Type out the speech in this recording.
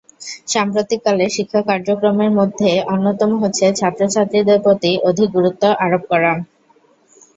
সাম্প্রতিক কালের শিক্ষা কার্যক্রমের মধ্যে অন্যতম হচ্ছে ছাত্রছাত্রীদের প্রতি অধিক গুরুত্বারোপ করা।